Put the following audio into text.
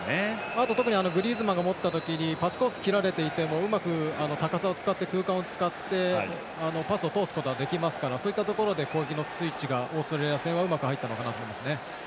あと、グリーズマンが持った時にパスコースを切られていてもうまく高さや空間を使ってパスを通すことができますからそういったところで攻撃のスイッチがオーストラリア戦はうまく入ったのかなと思いますね。